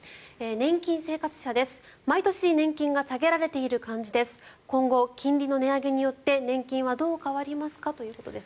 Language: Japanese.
年金生活者です。